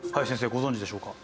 ご存じでしょうか？